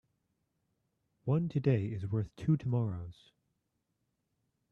One today is worth two tomorrows.